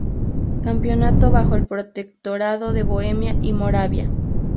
Campeonato bajo el Protectorado de Bohemia y Moravia.